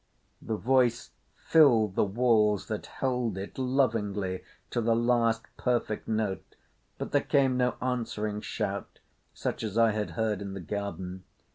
The voice filled the walls that held it lovingly to the last perfect note, but there came no answering shout such as I had heard in the garden.